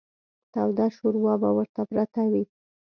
توده شوروا به ورته پرته وه.